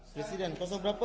presiden kosong berapa